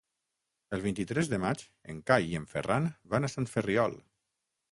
El vint-i-tres de maig en Cai i en Ferran van a Sant Ferriol.